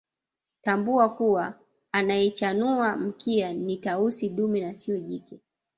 Tambua kuwa anayechanua mkia ni Tausi dume na siyo jike